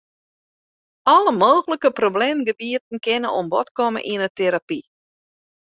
Alle mooglike probleemgebieten kinne oan bod komme yn 'e terapy.